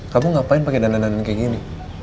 kamu ngapain pake dandan dandan kayak gini